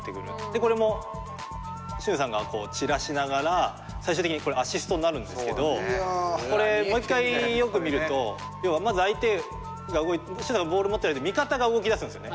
これも俊さんが散らしながら最終的にアシストになるんですけどこれもう一回よく見るとまず相手が動いてボール持ってないで味方が動きだすんですよね。